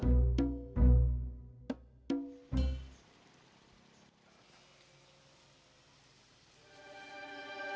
kamu mau kemana